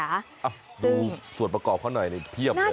ดูส่วนประกอบเขาหน่อยนี่เพียบเลย